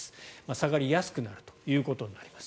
下がりやすくなるということになります。